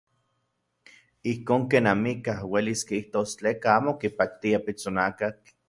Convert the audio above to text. Ijkon ken amikaj uelis kijtos tleka amo kipaktia pitsonakatl.